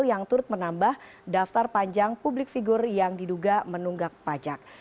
yang turut menambah daftar panjang publik figur yang diduga menunggak pajak